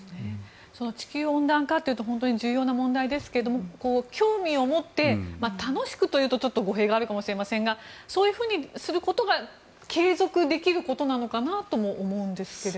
地球温暖化というと本当に重要な問題ですが興味を持って楽しくというと語弊があるかもしれませんがそうすることが継続できることかと思いますが。